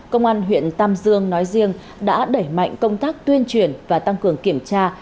công an huyện tam dương nói riêng đã đẩy mạnh công tác tuyên truyền và tăng cường kiểm tra